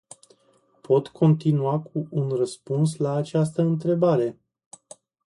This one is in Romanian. Pot continua cu un răspuns la această întrebare?